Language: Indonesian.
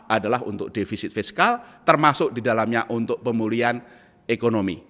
adalah untuk defisit fiskal termasuk di dalamnya untuk pemulihan ekonomi